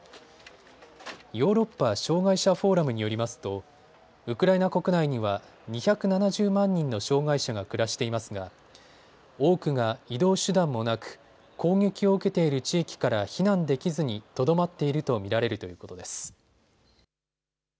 ヨーロッパ障害者フォーラムによりますとウクライナ国内には２７０万人の障害者が暮らしていますが多くが移動手段もなく攻撃を受けている地域から避難できずにとどまっていると見られるということです。